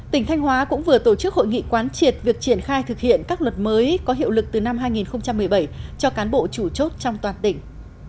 tỉnh thanh hóa cũng vừa tổ chức hội nghị quán triệt việc triển khai thực hiện các luật mới có hiệu lực từ năm hai nghìn một mươi bảy cho cán bộ chủ chốt trong toàn tỉnh